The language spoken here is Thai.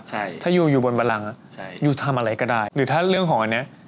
ใช่ถ้ายูอยู่บนบรังอ่ะใช่ยูทำอะไรก็ได้หรือถ้าเรื่องของอันเนี้ย